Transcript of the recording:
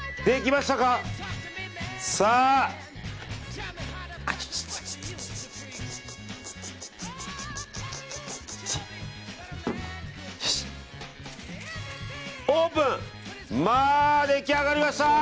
まあ出来上がりました！